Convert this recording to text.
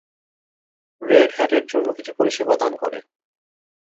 Red hat এর জন্য কিছু পরিষেবা দান করে।